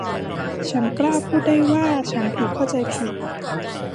ฉันกล้าพูดได้ว่าฉันถูกเข้าใจผิด